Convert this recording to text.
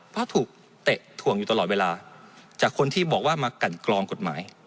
เพราะถูกเตะถ่วงอยู่ตลอดเวลาจากคนที่บอกว่ามากันกรองกฎหมาย